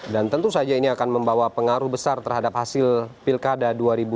dan tentu saja ini akan membawa pengaruh besar terhadap hasil pilkada dua ribu delapan belas